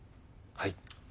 はい。